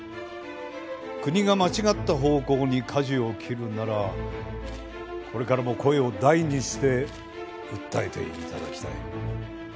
国が間違った方向に舵を切るならこれからも声を大にして訴えて頂きたい。